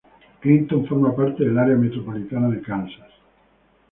Clinton forma parte del área metropolitana de Kansas.